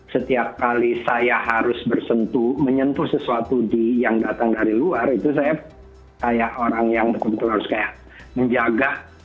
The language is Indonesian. setiap kali saya harus bersentuh menyentuh sesuatu yang datang dari luar itu saya kayak orang yang betul betul harus kayak menjaga